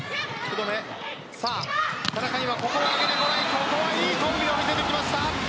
ここはいいコンビを見せてきました。